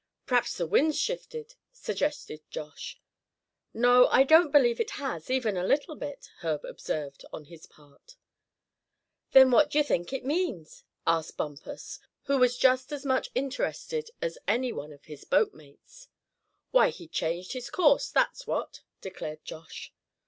"P'raps the wind's shifted?" suggested Josh. "No, I don't believe it has, even a little bit," Herb observed, on his part. "Then what d'ye think it means?" asked Bumpus, who was just as much interested as any one of his boat mates. "Why, he changed his course, that's what," declared Josh.